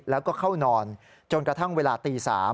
แล้วก็เข้านอนจนกระทั่งเวลาตี๓